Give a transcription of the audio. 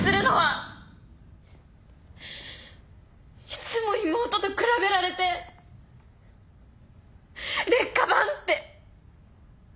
いつも妹と比べられて劣化版って。